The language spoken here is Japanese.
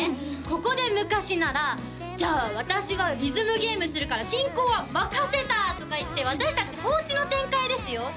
ここで昔なら「じゃあ私はリズムゲームするから」「進行は任せた」とか言って私達放置の展開ですよ？